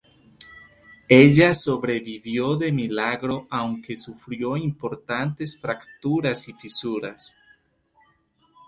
Ella sobrevivió de milagro aunque sufrió importantes fracturas y fisuras.